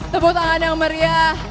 tepuk tangan yang meriah